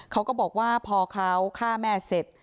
เขาก็บอกว่าพอเขาฆ่าแม่เสร็จ